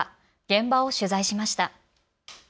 現場を取材しました。